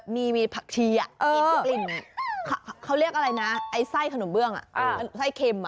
มีแบบไซส์ขนมเบื้องใสสาหร่เค็ม